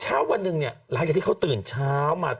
เช้าวันนึงหลายเยอะที่เค้าตื่นเช้ามา